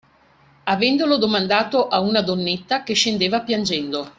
Avendolo domandato a una donnetta che scendeva piangendo